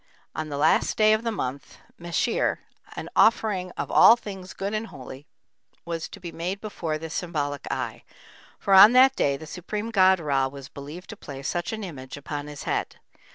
On the last day of the month Mechir, an offering "of all things good and holy" was to be made before this symbolic eye, for on that day the supreme god Ra was believed to place such an image upon his head.